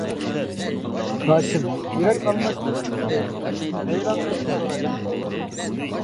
ھاشىم:-يۈرەك ئالماشتۇرۇش دەيدۇ ھەيران قىلىپ سورايدۇ.